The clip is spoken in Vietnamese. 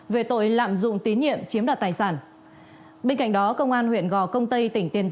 vào giờ chiều nay